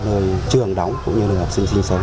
nơi trường đóng cũng như là học sinh sinh sống